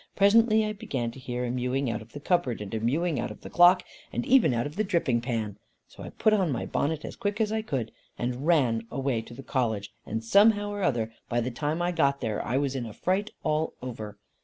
Presently I began to hear a mewing out of the cupboard, and a mewing out of the clock, and even out of the dripping pan. So I put on my bonnet as quick as I could, and ran right away to the College, and somehow or other by the time I got there, I was in a fright all over.